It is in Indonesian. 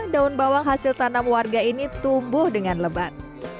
daun bawang hasil tanam warga ini tumbuh dengan lebat